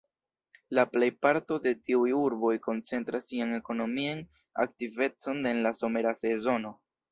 La plej parto de tiuj urboj koncentras sian ekonomian aktivecon en la somera sezono.